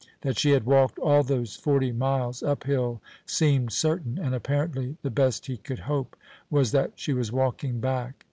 That she had walked all those forty miles uphill seemed certain, and apparently the best he could hope was that she was walking back.